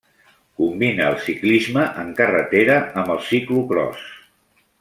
Combina el ciclisme en carretera amb el ciclocròs.